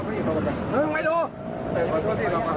ไฟก้อนมึงไปดู